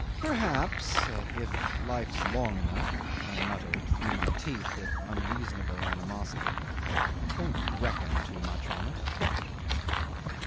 "Perhaps. If life's long enough," I muttered through my teeth with unreasonable animosity. "Don't reckon too much on it."